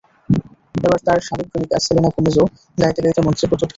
এবার তাঁর সাবেক প্রেমিকা সেলেনা গোমেজও গাইতে গাইতে মঞ্চে হোঁচট খেলেন।